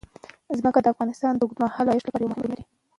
ځمکه د افغانستان د اوږدمهاله پایښت لپاره یو مهم رول لري.